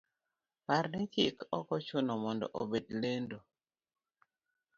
Par ni chik okochuno mondo obed lendo,